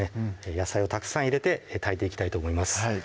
野菜をたくさん入れて炊いていきたいと思います